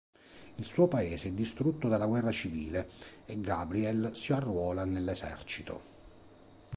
Il suo paese è distrutto dalla guerra civile, e Gabriel si arruola nell’esercito.